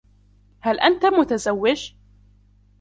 هل انت متزوج؟